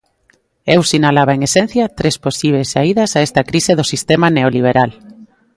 Eu sinalaba, en esencia, tres posíbeis saídas a esta crise do sistema neoliberal.